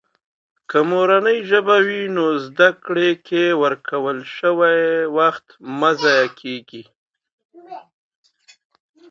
که مورنۍ ژبه وي، نو زده کړې کې ورکړل شوي وخت مه ضایع کېږي.